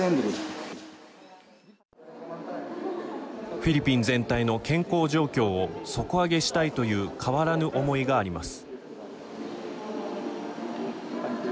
フィリピン全体の健康状況を底上げしたいという変わらぬ思いがあります。